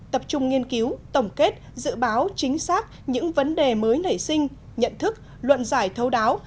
tập trung nghiên cứu tổng kết dự báo chính xác những vấn đề mới nảy sinh nhận thức luận giải thấu đáo